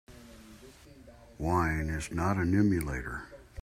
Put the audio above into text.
Wine is not an emulator.